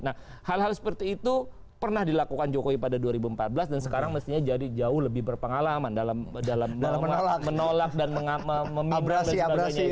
nah hal hal seperti itu pernah dilakukan jokowi pada dua ribu empat belas dan sekarang mestinya jadi jauh lebih berpengalaman dalam menolak dan meminang dan sebagainya